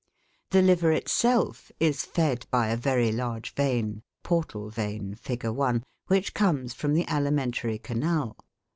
The liver itself is fed by a very large vein (portal vein Fig. 1), which comes from the alimentary canal.